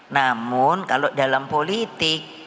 namun kalau dalam politik